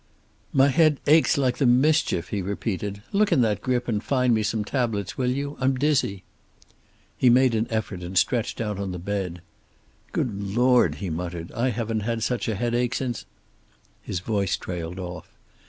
"My head aches like the mischief," he repeated. "Look in that grip and find me some tablets, will you? I'm dizzy." He made an effort and stretched out on the bed. "Good Lord," he muttered, "I haven't had such a headache since " His voice trailed off.